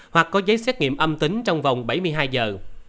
hoặc có giấy xét nghiệm âm tính trong vòng bảy mươi hai giờ